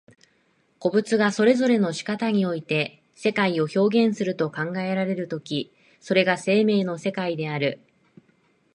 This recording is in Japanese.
個物がそれぞれの仕方において世界を表現すると考えられる時、それが生命の世界である。